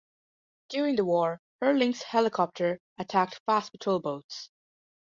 During the war, her Lynx helicopter attacked fast patrol boats.